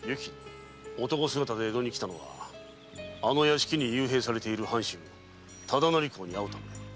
男姿で江戸に来たのはあの屋敷に幽閉されている藩主・忠成公に会うため。